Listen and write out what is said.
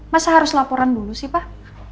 masa harus laporan dulu sih pak